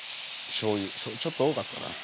しょうゆちょっと多かったかな。